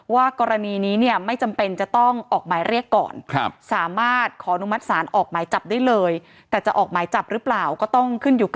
ว่ากรณีนี้เนี่ยไม่จำเป็นจะต้องออกหมายเรียกก่อน